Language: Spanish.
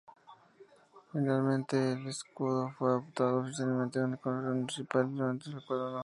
Finalmente, el escudo fue adoptado oficialmente por el Concejo Municipal mediante el Acuerdo No.